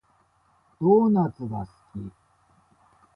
ドーナツが好き